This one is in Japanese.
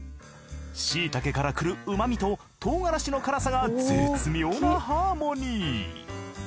椎茸から来る旨みと唐辛子の辛さが絶妙なハーモニー。